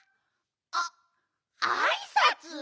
ああいさつ？